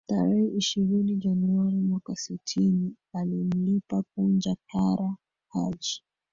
Tarehe ishirini Januari mwaka sitini alimlipa Punja Kara Haji